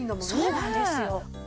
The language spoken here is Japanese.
そうなんですよ。